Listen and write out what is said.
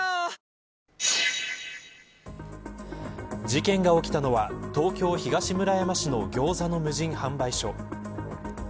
事件が起きたのは東京、東村山市のギョーザの無人販売所。